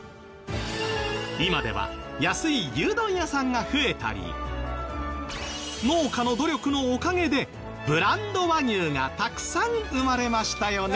今では安い牛丼屋さんが増えたり農家の努力のおかげでブランド和牛がたくさん生まれましたよね。